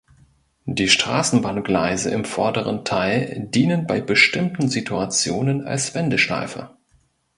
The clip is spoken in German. Die Straßenbahngleise im vorderen Teil dienen bei bestimmten Situationen als Wendeschleife.